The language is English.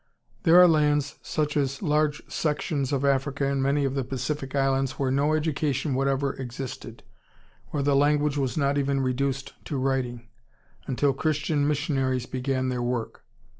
] There are lands such as large sections of Africa and many of the Pacific Islands where no education whatever existed, where the language was not even reduced to writing, until Christian missionaries began their work.